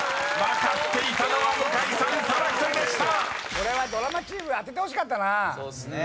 これはドラマチーム当ててほしかったな。